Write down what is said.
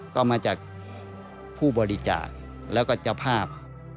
ก็มาจากผู้บริจาคแล้วก็เจ้าภาพ